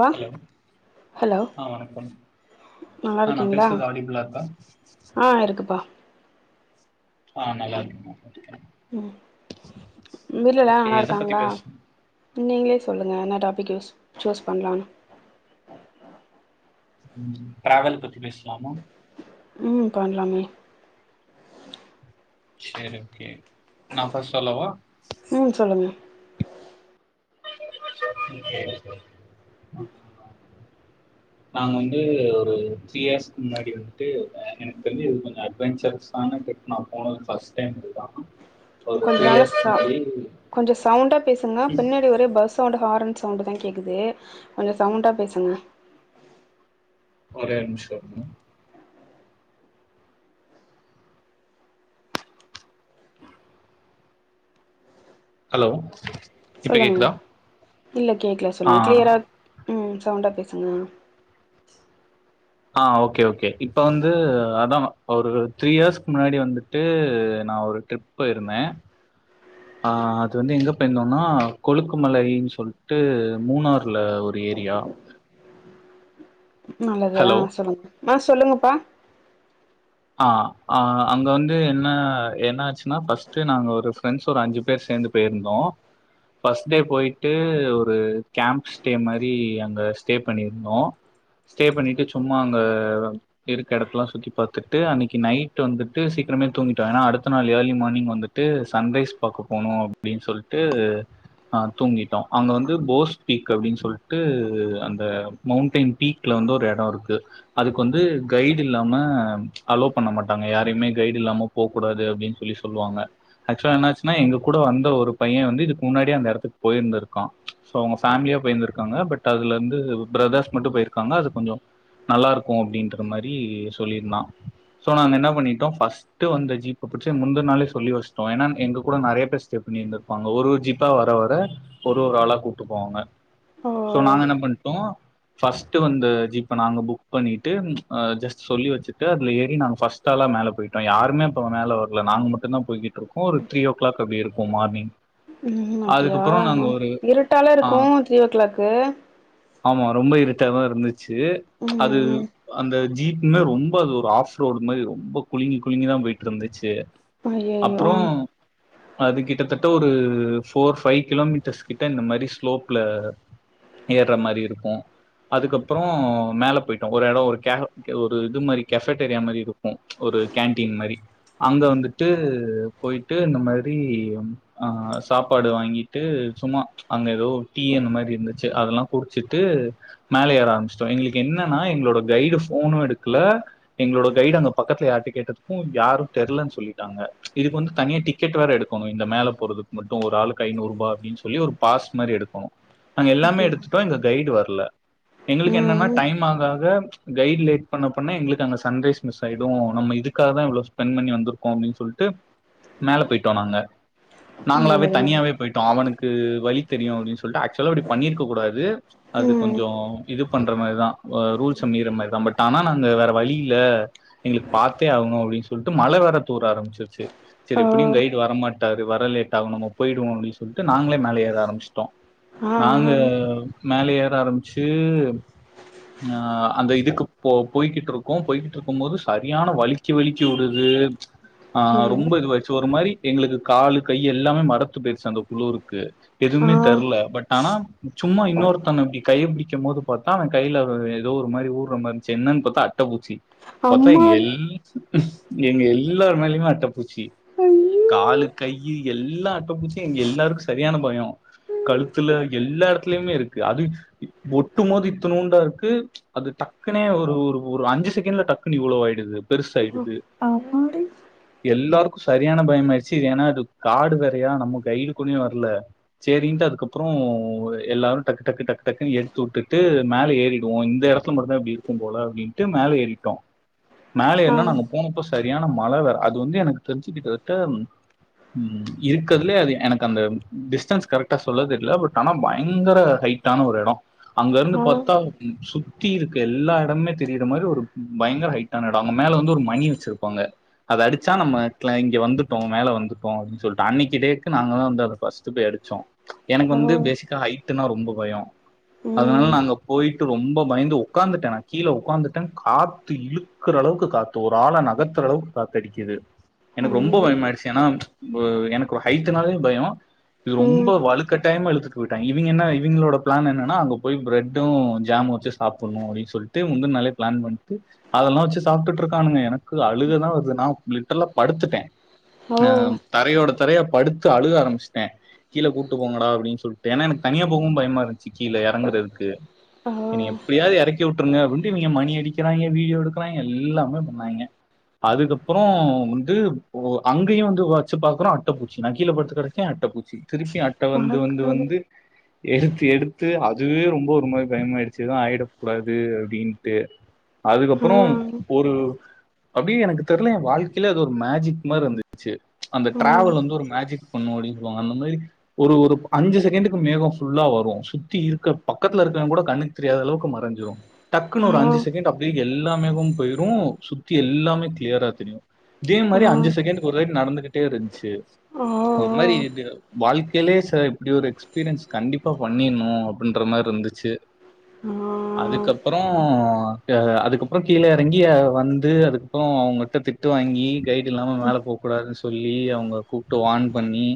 பா hello hello ஆ வணக்கம் நல்லா ஆ நா இருக்கீங்களா பேசுறது அடியப்புலா இருக்கா ஆ இருக்குப்பா ஆ நல்லா இருக்குங்க ம் உங் வீட்ல எல்லா ஓகே நல்லா எத பத்தி இருக்காங்ளா பேச நீங்களே சொல்லுங்க என்ன டாபிக் யூஸ் சூஸ் பண்ணலான்னு டிராவல் பத்தி பேஸ்லாமா ம் பண்லாமே சரி ஓகே நா ஃபர்ஸ்ட் சொல்லவா ம் சொல்லுங்க [inaudible] நாங்க வந்து ஒரு த்ரீ இயர்ஸ்க்கு முன்னாடி வந்துட்டு எனக்கு தெரிஞ்சி இது கொஞ்சோ அட்வென்சரஸ் நானு டிரிப் நா போனது ஃபஸ்ட் டைம் இதுதா ஒரு கொஞ்ச த்ரீ நல்லா இயர்ஸ் ச முன்னாடி கொஞ்சோ சவுண்டா பேசுங்க பின்னாடி ஒரே பஸ் சவுண்டு ஹார்ன் சவுண்டு தா கேக்குது கொஞ்சோ சவுண்டா பேசுங்க ஒரே ஒரு நிம்ஷோ இருங்க ஹலோ இப்ப சொல்லுங்க கேக்குதா இல்ல கேக்கல ஆ சொல்லுங்க கிளியரா ம் சவுண்டா பேசுங்க ஆ ஓகே ஓகே இப்போ வந்து அதா ஒரு த்ரீ இயர்ஸ்க்கு முன்னாடி வந்துட்டு நா ஒரு ட்ரிப் போயிருந்தே ஆ அது வந்து எங்கே போயிருந்தோனா கொழுக்கு மலைன்னு சொல்ட்டு மூணார்ல ஒரு ஏரியா நல்லது ஆ ஹலோ சொல்லுங்க ஆ சொல்லுங்கப்பா ஆ ஆ அங்க வந்து என்ன என்ன ஆச்சுன்னா ஃபஸ்ட்டு நாங்க ஒரு ஃப்ரெண்ட்ஸ் ஒரு அஞ்சு பேர் சேந்து போய் இருந்தோ ஃபஸ்ட் டே போயிட்டு ஒரு கேம்ப் ஸ்டே மாரி அங்க ஸ்டே பண்ணியிருந்தோ ஸ்டே பண்ணிட்டு சும்மா அங்க இருக்க எடத்துலா சுத்தி பாத்து ட்டு அன்னிக்கு நைட வந்துட்டு சீக்கிரமே தூங்கிட்டோ ஏனா அடுத்த நாள் ஏர்லி மார்னிங் வந்துட்டு சன்ரைஸ் பாக்க போனு அப்டின் சொல்ட்டு ஆ தூங்கிட்டோ அங்க வந்து போஸ் பீக் அப்டின்னு சொல்ட்டு அந்த மௌண்டைன் பீக்ல வந்து ஒரு எடோ இருக்கு அதுக்கு வந்து கைட் இல்லாம அல்லோ பண்ண மாட்டாங்க யாரையுமே கைட் இல்லாம போ கூடாது அப்டின்னு சொல்லி சொல்லுவாங்க ஆக்சுவலா என்ன ஆச்சுன்னா எங்க கூட வந்த ஒரு பைய வந்து இதுக்கு முன்னாடி அந்த எடத்துக்கு போயிருந்துருக்கா சோ அவங்க ஃபேமிலியா போயந்திருக்காங்க பட் அதுல இருந்து பிரதர்ஸ் மட்டு போயிருக்காங்க அது கொஞ்சொ நல்லா இருக்கு அப்டின்ற மாரி சொல்லியிருந்தா சோ நாங்க என்ன பண்ணிட்டோ ஃபஸ் ட்டு வந்த ஜீப்ப புடிச்சு முந்த நாளே சொல்லி வச்ட்டோ ஏன்னா எங்க கூட நறைய பேர் ஸ்டே பண்ணி இருந்து ப்பாங்க ஒரு ஒரு ஜீப்பா வர வர ஒரு ஒரு ஆளா கூப்ட்டு போவாங்க சோ நாங்க ஓ என்ன பண்ட்டோ ஃபஸ்ட்டு வந்த ஜீப்ப நாங்க புக் பண்ணிட்டு ஆ ஜஸ்ட் சொல்லி வெச்சு ட்டு அதுல ஏறி நாங்க ஃபஸ்ட் ஆளா மேல போயிட்டோ யாருமே அப்ப மேல வர்ல நாங்க மட்டு தா போய்கிட்ருக் கோ ஒரு த்ரீ ஓ கிளாக் அப்டி இருக்கு மார்னிங் ம் அப்டியா அதுக்கப்புறோ நாங்க அ ஒரு இருட்டால ஆ இருக்கு த்ரீ ஓ கிளாக்கு ஆமா ரொம்ப இருட்டாதா இருந்துச்சு ம் அது ம் அந்த ஜீப்மே ரொம் ப அது ஒரு ஆஃப் ரோடு மாரி ரொம்ப குலிங்க குலிங்கிதா போயிட்டு இருந்துச்சு ஐயையோ அப்புறோ அது கிட்டத்தட்ட ஒரு ஃபோர் ஃபைவ் கிலோமீட்டர்ஸ் கிட்ட இந்த மாரி ஸ்லோப்ல ஏர்ற மாரி இருக்கு அதுக்கப்புறோ மேல போயிட்டோ ஒரு எடோ ஒரு கே ஒரு இது மாரி கஃபொட்டேரியா மாரி இருக்கு ஒரு கேன்டீன் மாரி அங்க வந்துட்டு போயிட்டு இந்த மாரி ஆ சாப்பாடு வாங்கிட்டு சும்மா அங்க ஏதோ டீ அந்த மாரி இருந்துச்சு அதெல்லா குடிச்சிட்டு மேலே ஏற ஆரம்பிச்ட்டோ எங்களுக்கு என்னன்னா எங்களோட கைடு ஃபோனு எடுக்குல எங்களோட கைடு அங்க பக்கத்துல யார்ட கேட்டதுக்கு யாரு தெரிலன்னு சொல்லிட்டாங்க இதுக்கு வந்து தனியா டி க்கெட் வேற எடுக்கணு இந்த மேல போறதுக் மட்டு ஒரு ஆளுக்கு ஐநூறுபா அப்டின்னு சொல்லி ஒரு பாஸ் மாரி எடுக்கணு நாங்க எல்லாமே அப்டியா எடுத்துட்டோ எங்க கைடு வர்ல எங்களுக்கு ம் என்னன்னா ம் டைம் ஆகா ஆகா கைட் லேட் பண்ண பண்ணா எங்களு க்கங்க சன்ரைஸ் மிஸ் ஆயிடு நம்ம இதுக்காக தா இவ்ளோ ஸ்பெண்ட் பண்ணி வந்துருக்கோ அப்டின்னு சொல்ட்டு மேல போயிட்டோ நாங்க நாங்களாவே நல்லது நல்லது தனியாவே போய்டோ அவனுக்கு வழி தெரியு அப்டின்னு சொல்ட்டு ஆக்சுவலா அப்டி பண்ணி இருக்க கூடாது அது ம் கொஞ்சோ இது பண்ற மாரிதா ஆ ரூல்ச மீர்ற மாரிதா பட் ஆனா நாங்க வேற வழியில்ல எங்களுக் பாத்தே ஆகணு அப்டின் சொல்ட்டு மழ வேர தூற ஆரம்பிச்சிருச்சு செரி ஆ எப்புனியு கைடு வர மாட்டாரு வர லேட் ஆகு நம்ம போய்டுவோ அப்டி சொல்ட்டு நாங்களே மேல ஏற ஆரம்பச்ட்டோ ஆ நாங்க ஆ மேலே ஏற ஆரம்பிச்சு ஆ அந்த இதுக்கு போ போய்கிட் இருக் க்கோ போய்கிட்ருக்கும் போது சரியான வலிக்கு வலிக்கி வுடுது ஆ ஐயோ ரொம்ப இது வாச்சு ஒரு மாரி எங்களுக்கு காலு கை எல்லாமே மறத்து போயிட்ச்சு அந்த குளுருக்கு ஆ எதுவுமே தெர்ல பட் ஆனா சும்மா இன்னொருத்தன இப்டி கைய பிடிக்கும்போது பாத் தா அவ கையில ஒரு ஏதோ ஒரு மாரி ஊர்ற மாரி இந்ச்சு என்னன் பாத்தா அட்ட பூச்சி பாத்தா எங்க அம்மாடி எல் எங்க எல்லாரு மேலயுமே அட்டப்பூச்சி காளு ஐயையோ கையீ எல்லா அட்டப்பூச்சி எங்க எல்லாருக்கூ சரியான பயொ கழுத்துல எல்லா எடத்துலயுமே இருக்கு அது ஒட்டும்மோது இத்தணூண்டா இருக்கு அது டக்குனே ஒரு ஒரு அஞ்சு செகண்ட்ல டக்குனு இவ்ளோ ஆயிடுது பெருசாயிடுது அம்மாடி எல்லாருக்கூ சரியான பயமாயிடுச்சி ஏன்னா அது காடு வேறையா நம்ம கைடு குனியே வரல சேரின்ட்டு அதுக்கப்பறோ எல்லாரு டக்கு டக்கு டக்கு டக்குன்னு எடுத்து வுட்டுட்டு மேலே ஏறிடுவோ இந்த எட இடம் துல மட்டுந்தா இப்டி இருக்கும் போல அப்டின்ட்டு மேல ஏறிட்டோ மேல ஆ ஏர்னா நாங்க போனப்ப ச சரியான மழ வேற அது வந்து எனக்கு தெரிஞ்சுக்கிட்டதட்ட ம் இருக்கதுலே அது எனக்கு அந்த டிஸ்டன்ஸ் கரெக்டா சொல்ல தெர்ல பட் ஆனா பயங்கர ஹைட் டான ஒரு எடொ அங்கருந்து ஆ பாத்தா சுத்தி இருக்க எல்லா எடம்மே தெரியிற மாரி ஒரு பயங்கர ஹைட்டான எடோ அவ்ங்க மேல வந்து ஒரு மணி வச்சிருப்பாங்க அத அடிச்சா நம்ம க்ள இங்க வந்துட்டோ மேல வந்துட்டோ அப்டின் சொல்ட்டு அன்னைகிட்டேக்கு நாங்க தா வந்து அத ஃபர்ஸ் டு பேய் அடிச்சோ எனக்கு ஆ வந்து பேசிக்கா ஹைட் டுனா ரொம்ப பயொ அதனால ம் நாங்க போயிட்டு ரொம்ப பயந்து ஓக்காந்துட்ட நா கீழ ஒக்காந்துட்ட காத்து இழுக்குற அளவுக்கு காத்து ஒரு ஆள நகத்தற அளவுக்கு காத்து அடிக்குது எனக்கு ரொம்ப ஐயோ பயமாயிடுச்சு ஏன்னா எனக்கு ஹைட்டுனாலே பயொ இது ரொம்ப ம் வலுக்கட்டாயமா இழுத்துட்டு போயிட்டாங்க இவிங்க என்ன இவிங்களோட பிளான் என்னன்னா அங்க போய் பிரெட்டு ஜாம் வச்சு சாப்புண்ணு அப்டின் சொல்ட்டு முந்துன்னாலே பிளான் பண்ட்டு அதெல்லா வச்சு சாப்டுட்டு இருக்கானுங்க எனக்கு அழுகதா வருது நா லிட்ரலா படுத்துட்டே ஓ அ தரையோட தரையா படுத்து அழுக ஆரம்பமிச்ட்டே கீழ கூட்டு போங்கடா அப்டின் சொல்ட்டு ஏன்னா எனக்கு தனியா போகவும் பயமா இருந்ச்சி கீழ எறங்குறதுக்கு ஆ என்னய எப்டியாவ்து எறக்கி வுட்டுருங்க அப்டின்னு டு இவிங்க மணி அடிக்கிறாங்ஞ வீடியோ எடுக்குறாங்ஞ எல்லாமே பண்ணாய்ங்ஞ அதுக்கப்பறோ வந்து அங்கேயு வந்து வச்சு பாக்குறோ அட்டப்பூச்சி நா கீழே படுத்து கடக் கே அட்டப்பூச்சி திருப்பி அட்ட வந்து வந்து அடக்கடவுளே வந்து எடுத்து எடுத்து அதுவே ரொம்ப ஒரு மாரி பயமாயிடுச்சு எது ஆயிடக் கூடாது அப்டின் டு ஆ அதுக்கப்பறோ ஒரு அப்டியே எனக்கு தெர்ல என் வாழ்க்கையில அது ஒரு மேஜிக் மாரி இருந்துச்சு அந்த ஆ ட்ராவல் வந்து ஒரு மேஜிக் பண்ணு அப்டின் சொல்லுவாங்க அந்த மாரி ஒரு ஒரு அஞ்சு செகண்டுக்கு மேகம் ஃபுல்லா வரு சுத்தி இருக்க பக்கத்துல இருக்கவங்க கூட கண்ணு தெரியாத அளவுக்கு மறஞ்சிறு க்குனு ஆ ஒரு ஆ அஞ்சு செகண்ட் அப்டியே எல்லாமேகமு போயிரு சுத்தி எல்லாமே க்ளியரா தெரியு இதே மாரி அஞ்சு செகண்டக்கு ஒருரைட் நடந்துகிட்டே இருந்ச்சி ஆ ஆ ஒரு மாரி இது வாழ்க்கையிலயே சார் இப்டி ஒரு எக்ஸ்பீரியன்ஸ் கண்டிப்பா பண்ணிணு அப்டின்ற மாரி இருந்துச்சி அதுக்கப்பறோ அ அதுக்கப்பறோ கீழ எறங்கி வந்து அதுக்கப்பறோ அவுங்கட்ட திட்டு வாங்கி கைடு இல்லாம மேல போக் கூடாதுன் சொல்லி அவுங்க கூப்டு வான் பண்ணி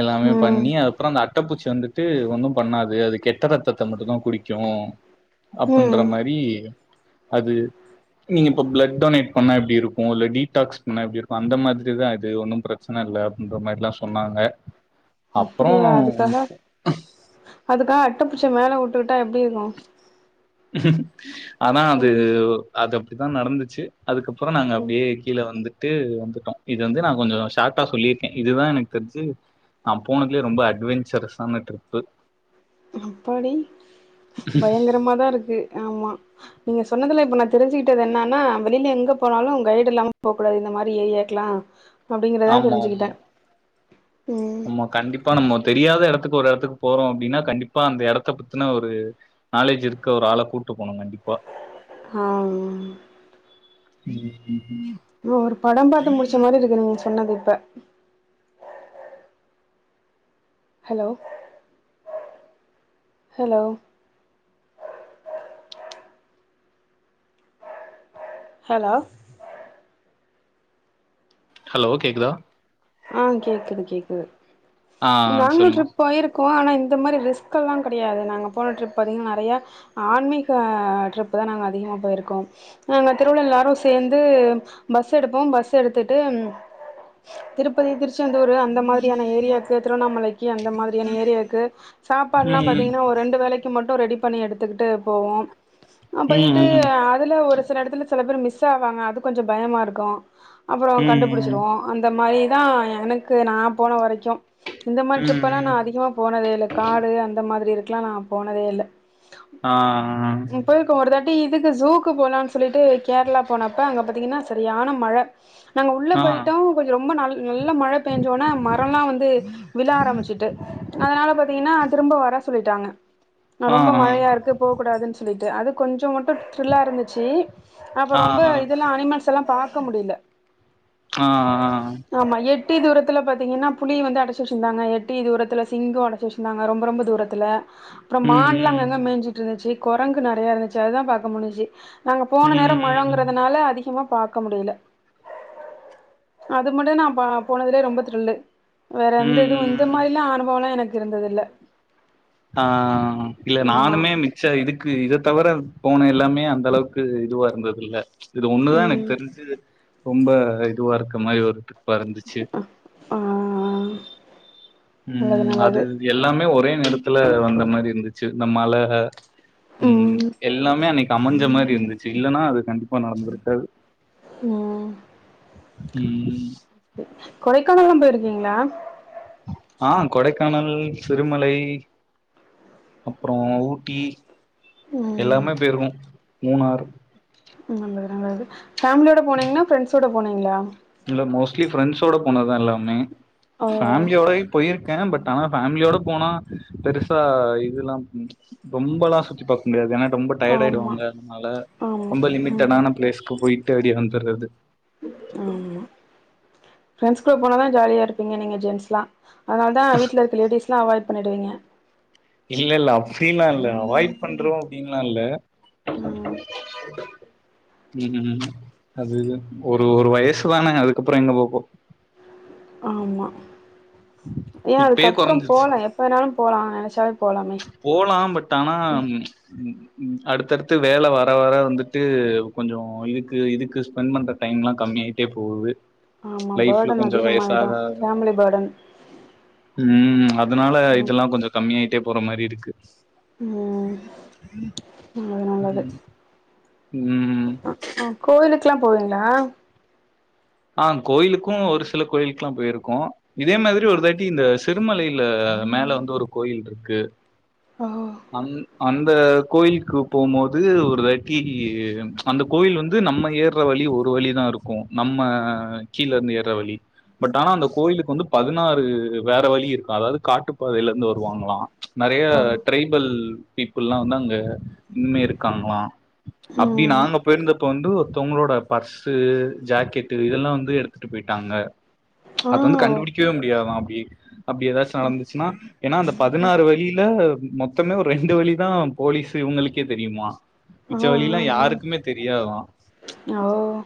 எல்லாமே ம் பண்ணி அப் அப்பறம் அந்த அட்டப்பூச்சி வந்துட்டு ஒன்னும் பண்ணாது அது கெட்ட ரத்தத்த மட்டு்ந்தா குடிக்கூ அப்புன்ற ம் மாரி அது நீங்க இப்ப ப்லட் டொனேட் பண்ணா எப்டி இருக்கூ இல்ல டீடாக்ஸ் பண்ணா எப்டி இருக்கூ அந்த மாத்ரிதா இது ஒன்னும் பிரச்ச ச்சனல்ல அப்டின்ற மாரி ல்லா சொன்னாங்க அப்புறோ அப்டியா அதுக்காக அதுக்காக அட்டப்பூச்சிய மேல வுட்டுக்கிட்டா எப்டி இருக்கூ ஆனா அது ம் அது அப்டித்தா நடந்துச்சு அதுக்கப்பறோ நாங்க அப்டியே கீழ வந்துட்டு வந்துட்டோ இது வந்து நா கொஞ்சோ ஷார்ட்டா சொல்லியிருக்கே இதுதா எனக்கு தெரிஞ்சு நா போனதுலே ரொம்ப அட்வென்ச்சரஸான ட்ரிப்பு அப்பாடி பயங்கரமாதாருக்கு ஆமா நீங்க சொன்னதலா இப்ப நா தெரிஞ்கிட்டது என்னானா வெளில எங்க போனாலு கைடு இல்லாம போக் கூடாது இந்த மாரி ஏரியாக் க்லா அப்டிங்கிறதா ஆமா, தெரிஞ்சிகிட்டே ஆமா. உம் ஆமா. கண்டிப்பா நம்ம தெரியாத எடத்துக்கு ஒரு எடத்துக்கு போறோ அப்டினா கண்டிப்பா அந்த எடத்த பத்தன ஒரு நாலேஜ் இருக்க ஒரு ஆள கூட்டு போனு கண்டிப்பா ஆ ஆ ம் ம் ஆ ஒரு படம் பாத்து முடிச்ச மாரிருக்கு நீங்க சொன்னது இப்ப ஹெலோ ஹெலோ ஹெலோ ஹலோ கேக்குதா ஆ கேக்குது கேக்குது ஆ நாங்ளு சொல்லுங்க. டிரிப் போயிருக்கோ ஆனா இந்த மாரி ரிஸ்கல்லா கெடையாது நாங்க போன ட்ரிப் அதிக நெறையா ஆன்மீக ட்ரிப்புதா நாங்க அதிகமா போயிருக்கோ நாங்க திருவிழா ல்லாரு சேந்து பஸ் எடுப்போம் பஸ் எடுத்துட்டு ப்பதி திருச்செந்தூரு அந்த மாதிரியான ஏரியாக்கு திருவண்ணாமலைக்கு அந்த மாதிரியான ஏரியாக்கு சாப்பாட்லா ம். பாத்தீங்கனா ஒரு ரெண்டு வேளைக் கி மட்டு ரெடி பண்ணி எடுத்துகிட்டு போவோம் அப்போய்ட்டு ம். அதுல ஒரு சில எடத்துல சில பேர் மிஸ் ஆவாங்க அது கொஞ்ச பயமாருக்கு அப்பறோ ம். ம். கண்டுபுடுச்சுருவோ அந்தம் மாரி தா எனக்கு நா போன வரைக்கு இந்த மாரி ட்ரிப்பலா நா ம். அதிகமா போனதேல காடு அந்த மாதிரி இருக்லா நா போனதேல ஆ ம் போயிருக்கோ ஒருதாட்டி இதுக்கு ஜூக்கு போலான் சொல்லிட்டு கேரளா போனப்ப அங்க பாத்தீங்கினா சரியான மழ நாங்க உள்ள ஆ. போய்டோ கொஞ்ச ரொம்ப நல் நல்ல மழ பேஞ்சோனே மரலா வந்து விழ ஆரம்பிச்சிட்டு அதனால பாத்தீங்கினா திரும்ப வர சொல்லிட்டாங்க அ ஆ. ரொம்ப மழையாருக்கு போக்கூடாதுன் சொல்லிட்டு அதுக் கொஞ்ச மட்டு த்ரில்லாருந்துச்சி அப்ப ஆ. ஆ. ஆ. ரொம்ப ஆ. இதெல்லா அனிமல்ஸ் எல்லாம் பாக்க முடில ஆ ஆ ஆமா எட்டி தூரத்துல பாத்தீங்கினா புலி வந்து அடச்சச்சிந்தாங்க எட்டி தூரத்துல சிங்க அடச்சிச் ந்தாங்க ரொம்ப ரொம்ப தூரத்தல அப்றம் ம். மான்லா அங்க ம். அங்க மேஞ்சிட்ருந்துச்சி கொரங்கு நெறையாருந்துச்சி அதுதா பாக்க முடிஞ்சி நாங்க போன நேர ம் மழங்கறதனால அதிகமா பாக்க முடில இது மட்டு நா பா போனதுலே ரொம்ப த்ரில்லு வேற எந்த இதுவு இந்த ம் மாரில்லா அனுபவலா எனக்கு இருந்ததில்ல ஆ இல்ல ஆமா நானுமே மி ச்ச இதுக்கு இதத் தவர போன எல்லாமே அந்தளவுக்கு இதுவா இருந்ததில்ல இது ஒன்னுதா எனக் ம் தெரிஞ்சு ரொம்ப இதுவாருக்க மாரி ஒரு டிரிப்பாருந்துச்சு ஆ ஆ ம் அது எல்லாமே ஒரே நேரத்துல வந்த மாரி இருந்துச்சு இந்த மழ ம் எல்லாமே அன்னைக்கு அமஞ்ச மாரி இருந்துச்சு இல்லனா அது கண்டிப்பா நடந்துருக்காது ம் ம் கொடைக்கானல்லாம் போயிருக்கீங்ளா ஆ கொடைக்கானல் சிறுமலை அப்றோ ஊட்டி ம் எல்லாமே போயிருக்கோ மூனார் நல்லது நல்லது ஃபேமிலியோட போனீங்னா ஃபிரெண்ட்ஸோட போனீங்ளா இல்ல மோஸ்ட்லி ஃப்ரண்ஸ்ஸோட போனதுதா எல்லாமே ஓ ஃபேமிலியோடையு போயிருக்கே பட் ஆனா ஃபேமிலியோட போனா பெருசா இதுலாம் ம் ரொம்பலா சுத்தி பாக் இந்த இது எனா ரொம்ப டயாடு ஆமா ஆயிடுவாங்க அதுனால ஆமா ரொம்ப ம் லிமிட்டடான பிளேஸ்கு போயி தேடி வந்தர்றது. ஆமா ஃப்ரெண்ட்ஸ் கூட போனாதா ஜாலியாருப்பீங்க நீங்க ஜென்ட்ஸ் லா. அதனால்தா வீட்ல இருக்க லேடீஸ்லா அவாய்ட் பண்ணிடுவீங்க. இல்லல்ல அப்டில்லா இல்ல அவாய்ட் பண்றோ அப்டின்ல்லால்ல. [inaudible] ம் ம் ம் ம் அது ஒரு ஒரு வயசு தான அதுக்கப்புறோ எங்க போப்போறோ. ஆம்மா ஏ இப்பயே அதுக்கப்புறோம் கொறஞ்சிருச்சு போலா எப்ப வேணாலும் போலா அ நெனச்சாவே போலாமே. போலாம் பட் ஆனா ம் ம் ம் அடுத்தடுத்து வேல வர வர வந்துட்டு கொஞ்சோ இதுக்கு இதுக்கு ஸ்பெண் பண்ற டைம்லா கம்மியாயிட்டே போவுது. ஆமா பேடன் அதிகமாயிடு ஃபேமிலி பேடன். ம் அதுனால ம் இதுல்லா கொஞ்சோ கம்மியாயிட்டே போற மாரி இருக்கு. ம் நல்லது ம் ம். அ ஆ கோயிலுக்லா போவிங்ளா? ஆ கோயிலுக்கு ஒரு சில கோயிலுக்லா போயிருக்கோ இதே மாதிரி ஒரு தாட்டி இந்த சி திருமலையில மேல வந்து ஒரு கோயில்ருக்கு. ஓஹோ அந் அந்த கோயில்க்கு போம் போது ஒரு தாட்டி அந்த கோவில் வந்து நம்ம ஏர்ற வழி ஒரு வழிதாருக்கு நம்ம கீழ இருந்து ஏர்ற வழி. பட் ஆனா அந்த கோயிலுக்கு வந்து பதினாறு வேற வழி இருக்கா அதாவ்து காட்டுப்பாதையிலருந்து வருவாங்ளா. நறைய ஓ டிரைபல் பீப்புள்லா வந்து அங்க இன்மே இருக்காங்களா. அப்டி ம் நாங்க போய்ர்ந்தப்ப வந்து ஒருத்தவங்ளோட பர்ஸு, ஜேக்கெட் டு இதெல்லா வந்து எடுத்துட்டு போய்ட்டாங்க. அது வந்து கண்டுபிடிக்வே முடியாதா அப்டி. அப்டி எதாச்சு நடந்துச்சுன்னா ஏனா அந்த பதினாறு வழியில மொத் தமே ஒர் ரெண்டு வழி தா போலீஸு இவுங்குளுக்கே தெரியுமா. மிச்ச வழில்லா யாருக்குமே தெரியாதா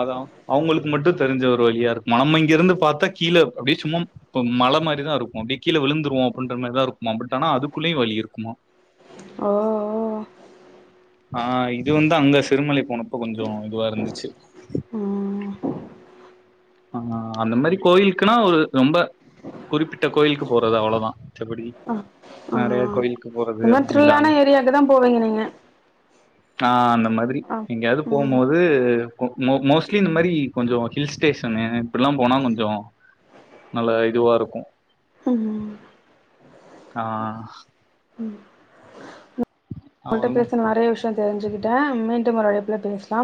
அதா அவுங்குளு க் மட்டு தெரிஞ்ச ஒரு வழியா இருக்குமா நம்ம இங்கிருந்து பாத்தா கீழ அப்டியே சும்மாம் இப்ப மல மாரிதா இருக்கு அப்டே கீழ விழுந்துருவோ அப்பின்ற மாரிதா இருக்குமா பட் ஆனா அதுக்குள்ளியு வழி இருக்குமா. ஓ ஓ. ஆ இது வந்து அங்க சிறுமலை போனப்ப கொஞ்சோ இதுவா இருந்துச்சு. ம். ஆ அந்த மாரி கோயில்க்குனா ஒரு ரொம்ப குறிப்பிட்ட கோயிலுக்கு போறது அவ்ளதா மத்தபடி அ ஆ இந்த மார் அப்டிலா இல்ல த்ரில்லான ஏரியாக்கு தா போவிங்க நீங்க. ஆ அந்த மாதிரி அ எங்யாது ம் போம்போது கு மோ மோஸ்ட்லி இந்த மாரி கொஞ்சோ ஹில்ஸ் டேசனு இப்பில்லா போனா கொஞ்சோ நல்ல இதுவா இருக்கு. ம் ஆ உங்கள்ட்ட அவ்ளோதா பேசுன நறைய விஷ்யோ தெரிஞ்சுக்கிட்டே மீண்டும் ஒரு அழைப்புல பேசலாம்.